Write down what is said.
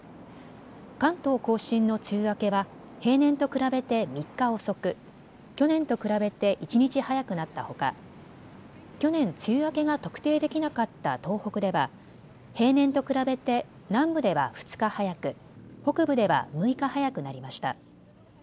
関東甲信の梅雨明けは平年と比べて３日遅く、去年と比べて１日早くなったほか、去年、梅雨明けが特定できなかった東北では平年と比べて南部では２日早く、北部では６日早くなりました。